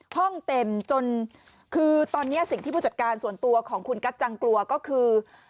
ห้องเต็มจนคือตอนนี้สิ่งที่ผู้จัดการส่วนตัวของคุณกัจจังกลัวก็คือ